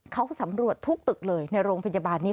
เขาสำรวจทุกตึกเลยในโรงพยาบาลนี้